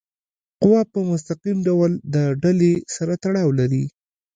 قوه په مستقیم ډول د ډلي سره تړاو لري.